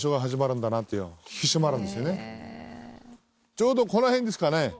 ちょうどこの辺ですかね。